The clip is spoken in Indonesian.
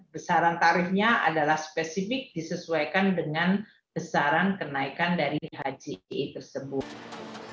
besaran tarifnya adalah spesifik disesuaikan dengan besaran kenaikan dari haji tersebut